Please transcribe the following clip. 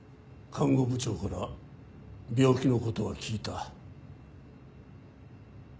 看護部長から病気の事は聞いた。